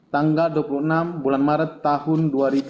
tanggal dua puluh enam bulan maret tahun dua ribu dua puluh